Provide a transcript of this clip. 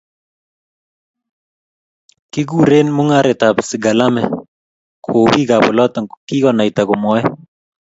Kiikure mungaretab Sigalame, kou bikap oloto kikonaita komwoei